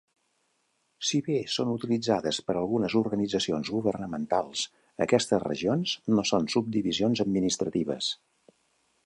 Si bé són utilitzades per algunes organitzacions governamentals, aquestes regions no són subdivisions administratives.